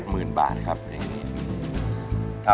คืนกับเรื่องทุกค่ะ